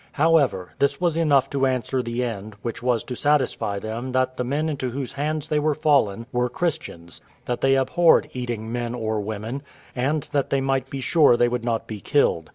However, this was enough to answer the end, which was to satisfy them that the men into whose hands they were fallen were Christians; that they abhorred eating men or women; and that they might be sure they would not be killed.